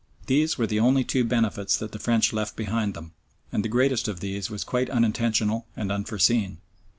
These were the only two benefits that the French left behind them, and the greatest of these was quite unintentional and unforeseen.